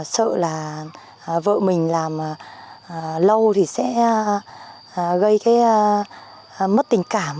sợ là vợ mình làm lâu thì sẽ gây cái mất tình cảm